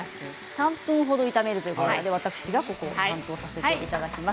３分ほど炒めるということで、ここは私が担当させていただきます。